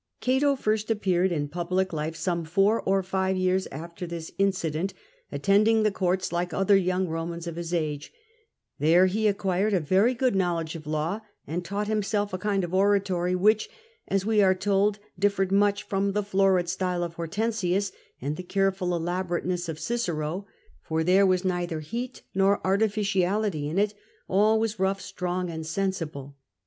Cato first appeared in public life some four or five years after this incident, attending the courts like other young Romans of his age ; there he acquired a very good knowledge of law, and taught himself a kind of oratory which, as we are told, differed much from the florid style of Hortensius and the careful elaborateness of Cicero, for "there was neither heat nor artificiality in it — all was rough, strong, and sensible."